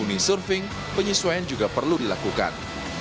untuk surfing penyesuaian juga perlu dilakukan